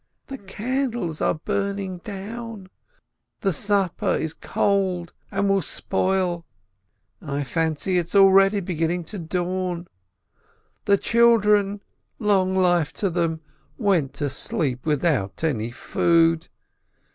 The candles are burning down, the supper is cold and will spoil. I fancy it's already beginning to dawn. The children, long life to them, went to sleep without any food.